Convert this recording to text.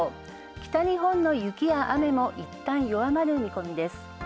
北日本の雪や雨もいったん弱まる見込みです。